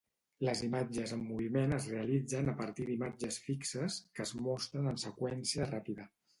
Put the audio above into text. Les imatges en moviment es realitzen a partir d'imatges fixes que es mostren en seqüència ràpida.